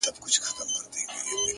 هر منزل د نوې موخې زېری راوړي